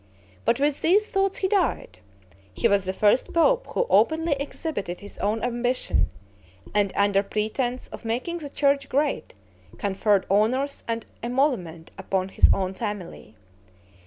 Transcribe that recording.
But with these thoughts he died. He was the first pope who openly exhibited his own ambition; and, under pretense of making the church great, conferred honors and emolument upon his own family.